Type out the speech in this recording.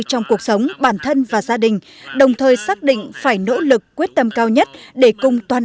trong cuộc sống bản thân và gia đình đồng thời xác định phải nỗ lực quyết tâm cao nhất để cùng toàn